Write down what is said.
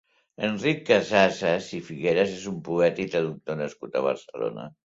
Enric Casasses i Figueres és un poeta i traductor nascut a Barcelona.